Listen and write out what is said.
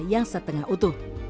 yang setengah utuh